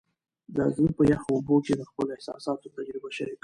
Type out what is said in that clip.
زه په یخو اوبو کې د خپلو احساساتو تجربه شریکوم.